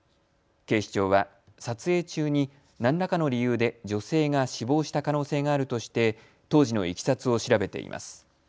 警視庁は撮影中に何らかの理由で女性が死亡した可能性があるとして当時のいきさつを調べています。